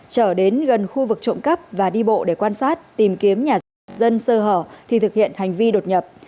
trở đến gần khu vực trộm cắp và đi bộ để quan sát tìm kiếm nhà dân sơ hở thì thực hiện hành vi đột nhập